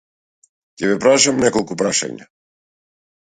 Ќе ве прашаме неколку прашања.